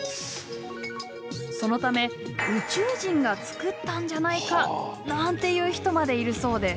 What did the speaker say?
そのため宇宙人が造ったんじゃないか？なんていう人までいるそうです。